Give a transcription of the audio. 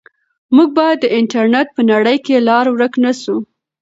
موږ باید د انټرنیټ په نړۍ کې لار ورک نه سو.